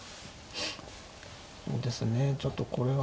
そうですねちょっとこれは。